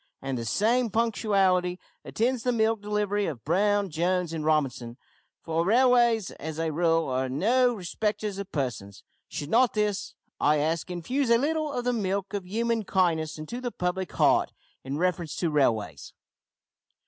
And the same punctuality attends the milk delivery of `Brown, Jones, and Robinson,' for railways, as a rule, are no respecters of persons. Should not this, I ask, infuse a little of the milk of human kindness into the public heart in reference to railways?